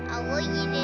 aku inginkan putri